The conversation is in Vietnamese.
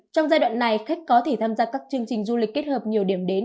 trong giai đoạn này khách có thể tham gia các chương trình du lịch kết hợp nhiều điểm đến